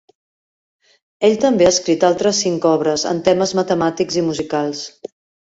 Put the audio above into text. Ell també ha escrit altres cinc obres, en temes matemàtics i musicals.